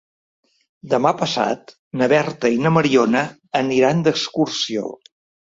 Demà passat na Berta i na Mariona aniran d'excursió.